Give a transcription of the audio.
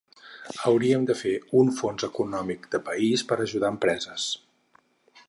Hauríem de fer un fons econòmic de país per ajudar empreses.